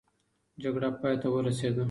جګړه پای ته ورسېده.